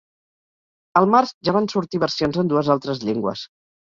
El març ja van sortir versions en dues altres llengües.